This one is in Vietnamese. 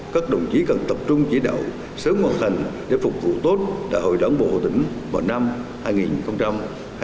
các đồng chí cần tập trung chỉ đạo sớm hoàn thành để phục vụ tốt đại hội đảng bộ tỉnh vào năm hai nghìn hai mươi năm